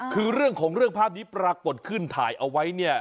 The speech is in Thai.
คือเรื่องของเรื่องภาพนี้ปรากฏขึ้นถ่ายเอาไว้เนี่ย